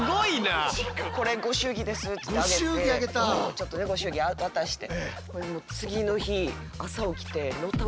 ちょっとねご祝儀渡して。